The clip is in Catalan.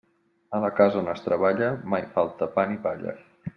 A la casa on es treballa, mai falta pa ni palla.